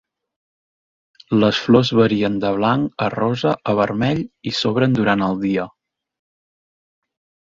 Les flors varien de blanc a rosa a vermell i s'obren durant el dia.